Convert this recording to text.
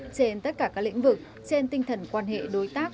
trên tất cả các lĩnh vực trên tinh thần quan hệ đối tác